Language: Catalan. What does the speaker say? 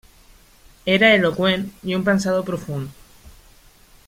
Era eloqüent i un pensador profund.